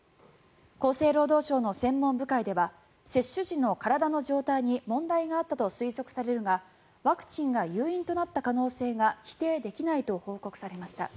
厚生労働省の専門部会では接種時の体の状態に問題があったと推測されるがワクチンが誘因となった可能性が否定できないと報告されました。